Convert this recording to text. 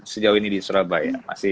sejauh ini di surabaya